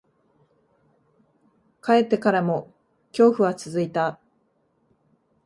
帰ってからも、恐怖は続いた。